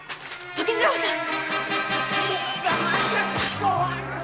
時次郎さん！